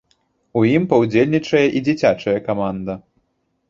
У ім паўдзельнічае і дзіцячая каманда.